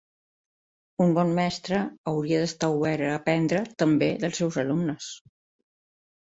Un bon mestre hauria d'estar obert a aprendre també dels seus alumnes.